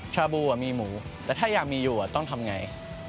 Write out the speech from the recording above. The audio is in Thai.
ชาบูมีหมูแต่ถ้าอยากมีอยู่ต้องทำไง